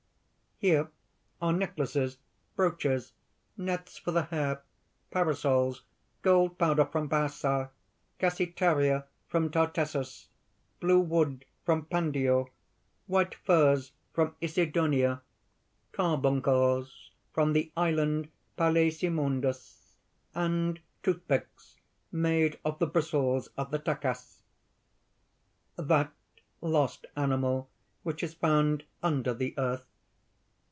Here are necklaces, brooches, nets for the hair, parasols, gold powder from Baasa, cassiteria from Tartessus, blue wood from Pandio, white furs from Issidonia, carbuncles from the Island Palæsimondus, and toothpicks made of the bristles of the tachas that lost animal which is found under the earth.